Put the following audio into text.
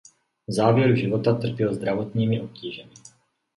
V závěru života trpěl zdravotními obtížemi.